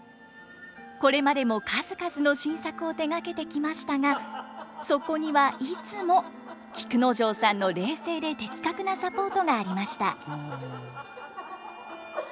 これまでも数々の新作を手がけてきましたがそこにはいつも菊之丞さんの冷静で的確なサポートがありました。